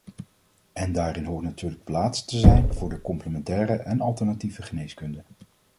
En daarin hoort natuurlijk plaats te zijn voor de complementaire en alternatieve geneeskunde.